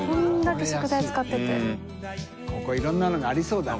ここいろんなのがありそうだな。